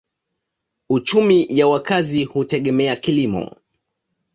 Uchumi ya wakazi hutegemea kilimo.